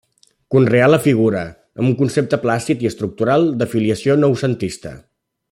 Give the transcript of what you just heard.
Conreà la figura, amb un concepte plàcid i estructural de filiació noucentista.